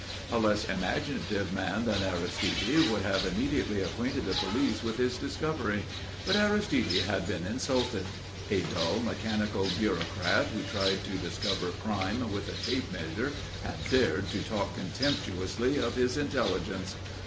A less imaginative man than Aristide would have immediately acquainted the police with his discovery. But Aristide had been insulted. A dull, mechanical bureaucrat who tried to discover crime with a tape measure had dared to talk contemptuously of his intelligence!